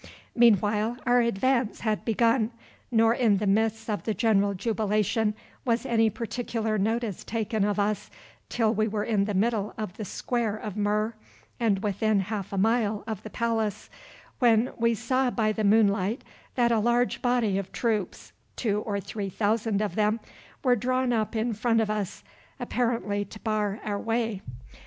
Meanwhile, our advance had begun, nor in the midst of the general jubilation was any particular notice taken of us till we were in the middle of the square of Mur and within half a mile of the palace, when we saw by the moonlight that a large body of troops, two or three thousand of them, were drawn up in front of us, apparently to bar our way.